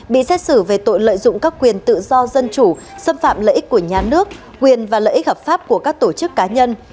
bị xét xử về tội lợi dụng các quyền tự do dân chủ xâm phạm lợi ích của nhà nước quyền và lợi ích hợp pháp của các tổ chức cá nhân